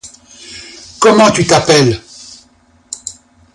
Comment tu t’appelles ?